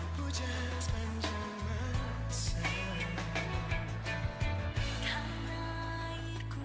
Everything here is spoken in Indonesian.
tuhan di atasku